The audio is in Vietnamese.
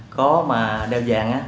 có mà đeo vàng á